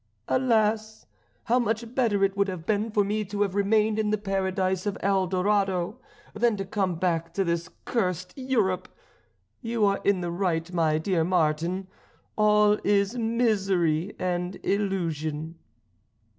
Alas! how much better it would have been for me to have remained in the paradise of El Dorado than to come back to this cursed Europe! You are in the right, my dear Martin: all is misery and illusion."